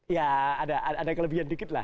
ya ada kelebihan dikit lah